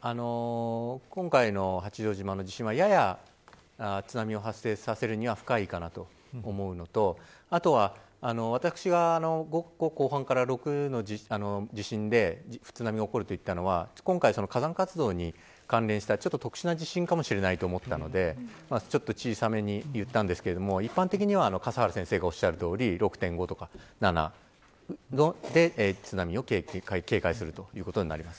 今回の八丈島の地震はやや津波を発生させるには深いかなと思うのとあとは、私が５後半から６の地震で津波が起こると言ったのは今回、火山活動に関連した特殊な地震かもしれないと思ったのでちょっと小さめに言ったんですけど一般的には笠原先生がおっしゃるとおり６．５から７で津波を警戒するということになります。